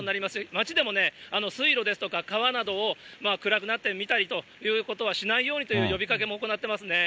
町でも水路ですとか皮などを暗くなって見たりということはしないようにという呼びかけも行ってますね。